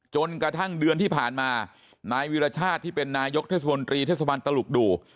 จนกระทั่งเดือนที่ผ่านมานายวิรชาติที่เป็นนายกเทศมนตรีเทศบาลตลุกดู